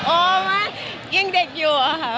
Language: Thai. ว่ายังเด็กอยู่อะค่ะ